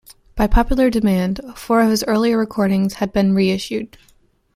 By popular demand, four of his earlier recordings have been reissued.